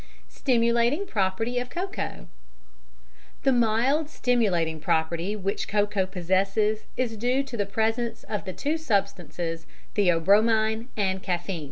Stimulating Property of Cocoa. The mild stimulating property which cocoa possesses is due to the presence of the two substances, theobromine and caffein.